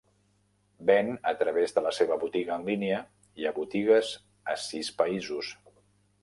Ven a través de la seva botiga en línia i a botigues a sis països.